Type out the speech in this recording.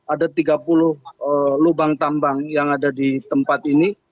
ada tiga puluh lubang tambang yang ada di tempat ini